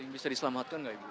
bisa diselamatkan nggak ibu